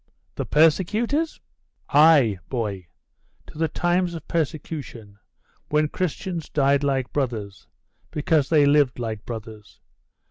'The persecutors?' 'Ay, boy to the times of persecution, when Christians died like brothers, because they lived like brothers.